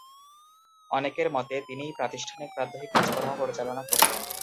অনেকের মতে তিনিই প্রতিষ্ঠানটির প্রাত্যহিক কাজকর্ম পরিচালনা করতেন।